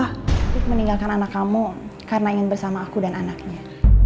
apa benar afif lebih memilih mengetahui kl naksintia daripada nungguin siva